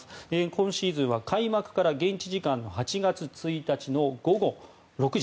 今シーズンは開幕から現地時間の８月１日の午後６時。